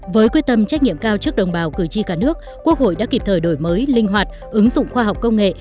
với quyết tâm trách nhiệm cao trước đồng bào cử tri cả nước quốc hội đã kịp thời đổi mới linh hoạt ứng dụng khoa học công nghệ